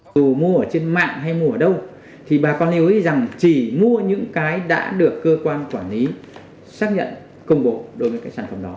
dù mua ở trên mạng hay mua ở đâu thì bà con lưu ý rằng chỉ mua những cái đã được cơ quan quản lý xác nhận công bố đối với cái sản phẩm đó